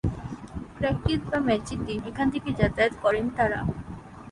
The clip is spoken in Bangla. প্র্যাকটিস বা ম্যাচের দিন এখান থেকে যাতায়াত করেন তারা।